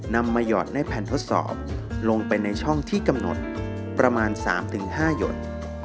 นำมาหยอดในแผ่นทดสอบลงไปในช่องที่กำหนดประมาณ๓๕หยด